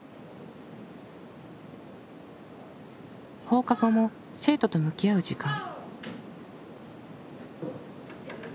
放課後も生徒と向き合う時間。